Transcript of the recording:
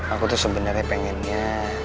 aku tuh sebenernya pengennya